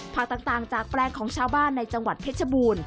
ผักต่างจากแปลงของชาวบ้านในจังหวัดเพชรบูรณ์